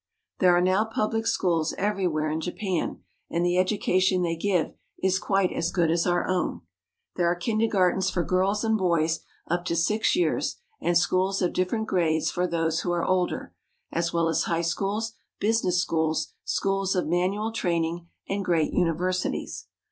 There are now public schools everywhere in Japan, and the education they give is quite as good as our own. There are kindergartens for girls and boys up to six years and schools of different grades for those who are older ; as well as high schools, business schools, schools of manual training, and great universities.